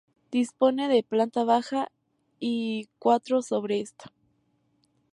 Dispone de planta baja y cuatro sobre esta.